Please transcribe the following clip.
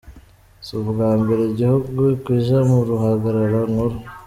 Si ubwa mbere igihugui kija mu ruhagarara nkuru.